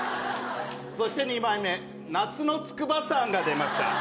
そして２枚目、夏の筑波山が出ました。